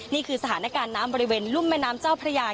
นี่คือสถานการณ์น้ำบริเวณรุ่มแม่น้ำเจ้าพระยา